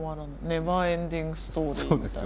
「ネバーエンディング・ストーリー」みたいな。